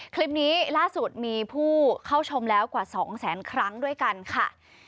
คลิปนี้ล่าสุดมีผู้เข้าชมแล้วกว่า๒แสนครั้งด้วยกันค่ะ